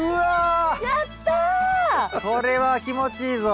これは気持ちいいぞ。